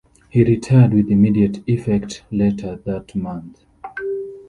He retired with immediate effect later that month.